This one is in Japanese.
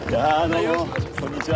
こんにちは。